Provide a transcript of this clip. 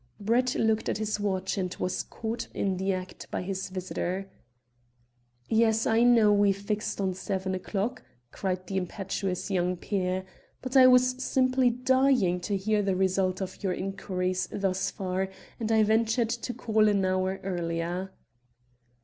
Brett looked at his watch, and was caught in the act by his visitor. "Yes, I know we fixed on seven o'clock," cried the impetuous young peer, "but I was simply dying to hear the result of your inquiries thus far, and I ventured to call an hour earlier."